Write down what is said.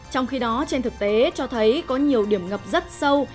trong khi đó trên thực tế cho thấy có nhiều điểm ngập rất sâu